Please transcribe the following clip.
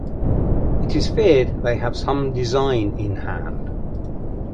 It is feared they have some design in hand.